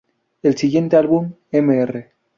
El siguiente álbum, "Mr.